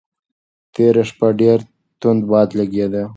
تېره شپه ډېر توند باد لګېده.